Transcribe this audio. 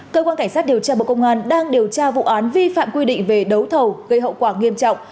cơ quan cảnh sát điều tra bộ công an đang điều tra vụ án vi phạm quy định về đấu thầu gây hậu quả nghiêm trọng